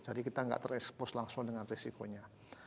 jadi kita gak terekspos langsung dengan risikonya